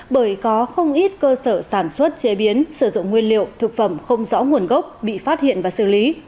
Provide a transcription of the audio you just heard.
bởi có không ít cơ sở sản xuất chế biến sử dụng nguyên liệu thực phẩm không rõ nguồn gốc bị phát hiện và xử lý